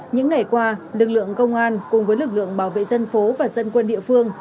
những ngày qua lực lượng công an cùng với lực lượng bảo vệ dân phố và dân quân địa phương